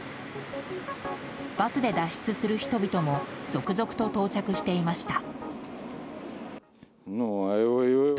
バスで脱出する人々も続々と到着していました。